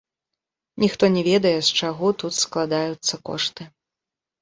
Ніхто не ведае, з чаго тут складаюцца кошты.